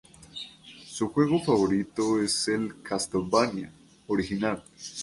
Su juego favorito es el "Castlevania" original.